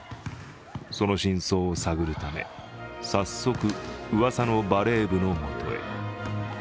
その真相を探るため、早速、うわさのバレー部のもとへ。